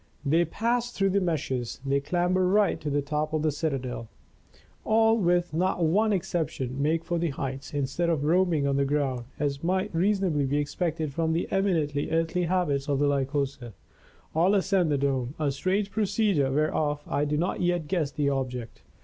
They pass through the meshes, they clamber right to the top of the citadel. All, with not one exception, make for the heights, instead of roaming on the ground, as might reasonably be expected from the eminently earthly habits of the Lycosa, all ascend the dome, a strange procedure whereof I do not yet guess the object.